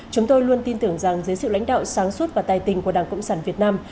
chúng tôi luôn tin tưởng rằng dưới sự lãnh đạo sáng suốt và tài tình của đảng cộng sản việt nam